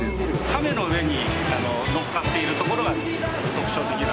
亀の上にのっかっているところが特徴的な。